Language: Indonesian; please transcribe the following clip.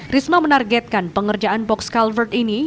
risma menargetkan pengerjaan box culvert ini